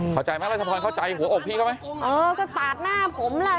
เข้าใจไหมละทหัวออกอ๋อแล้วก็ปาดหน้าผมแล้ว